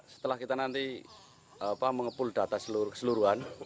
setelah kita nanti mengepul data keseluruhan